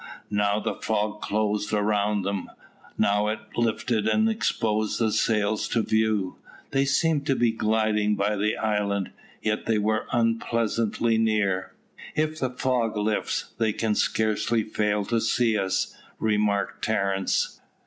Now the fog closed round them now it lifted and exposed their sails to view. They seemed to be gliding by the island. Yet they were unpleasantly near. "If the fog lifts, they can scarcely fail to see us," remarked Terence.